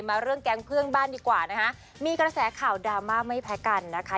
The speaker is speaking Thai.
เรื่องแก๊งเพื่อนบ้านดีกว่านะคะมีกระแสข่าวดราม่าไม่แพ้กันนะคะ